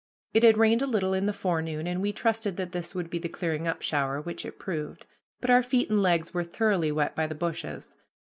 It had rained a little in the forenoon, and we trusted that this would be the clearing up shower, which it proved; but our feet and legs were thoroughly wet by the bushes.